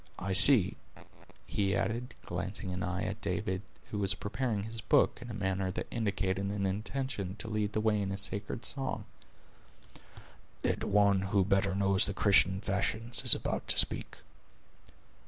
I see," he added, glancing an eye at David, who was preparing his book in a manner that indicated an intention to lead the way in sacred song, "that one who better knows the Christian fashions is about to speak."